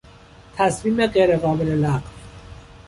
تصمیم غیر قابل لغو